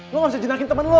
lu gak bisa jinakin temen lu